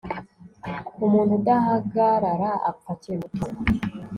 umuntu udahagarara, apfa akiri muto